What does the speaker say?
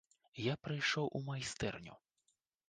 Я прыйшоў у майстэрню.